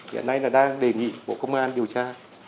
hiện nay là đang đề nghị bộ công an điều tra